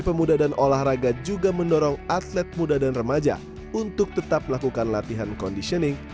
pemuda dan olahraga juga mendorong atlet muda dan remaja untuk tetap melakukan latihan conditioning